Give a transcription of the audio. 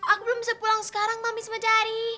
aku belum bisa pulang sekarang mami sama dari